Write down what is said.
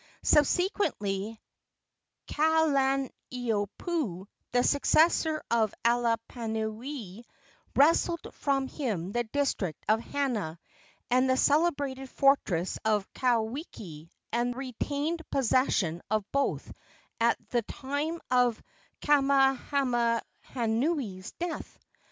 Subsequently Kalaniopuu, the successor of Alapainui, wrested from him the district of Hana and the celebrated fortress of Kauwiki, and retained possession of both at the time of Kamehamehanui's death.